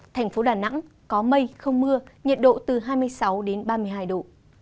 thành phố đà nẵng có mây không mưa nhiệt độ từ hai mươi sáu đến ba mươi hai độ